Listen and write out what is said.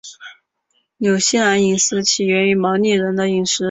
纽西兰饮食起源于毛利人的饮食。